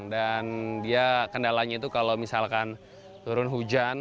dan dia kendalanya itu kalau misalkan turun hujan